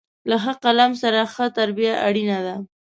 له ښه قلم سره، ښه تربیه اړینه ده.